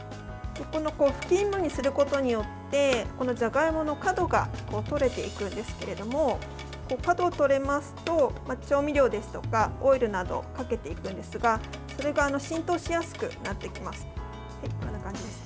粉ふき芋にすることによってじゃがいもの角が取れていくんですけれども角が取れますと調味料ですとかオイルなどをかけていくんですがそれが浸透しやすくなっていきます。